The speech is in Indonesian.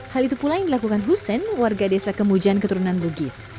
hal itu pula yang dilakukan husen warga desa kemujan keturut tutup